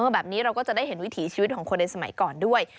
แบบนี้เราก็จะได้เห็นวิถีชีวิตของคนในสมัยก่อนด้วย